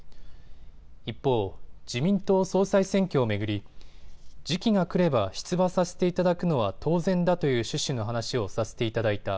一方、自民党総裁選挙を巡り時期が来れば出馬させていただくのは当然だという趣旨の話をさせていただいた。